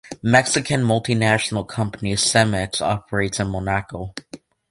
Mexican multinational company Cemex operates in Monaco.